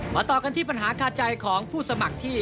ต่อกันที่ปัญหาคาใจของผู้สมัครที่